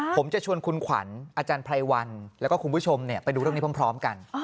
ผมจะชวนคุณขวัญอาจารย์ไพรวัลแล้วก็คุณผู้ชมไปดูเรื่องนี้พร้อมกัน